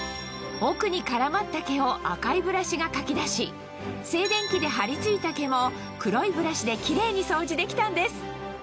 奥に絡まった毛を赤いブラシがかき出し静電気で張り付いた毛も黒いブラシでキレイに掃除できたんです